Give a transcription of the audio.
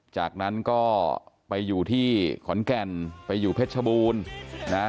จากนั้นก็ไปอยู่ที่ขอนแก่นไปอยู่เพชรชบูรณ์นะ